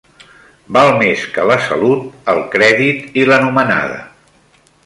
Val més que la salut, el crèdit i la nomenada.